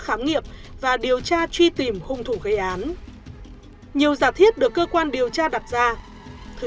khám nghiệm và điều tra truy tìm hung thủ gây án nhiều giả thiết được cơ quan điều tra đặt ra thời